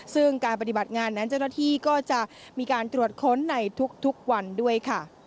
ซึ่งการปฏิบัติงานนั้นเจ้าหน้าที่ก็จะมีการตรวจค้นในทุกวันด้วยค่ะ